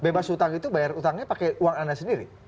bebas utang itu bayar utangnya pakai uang anda sendiri